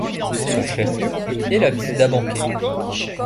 Son chef-lieu est la ville d'Abancay.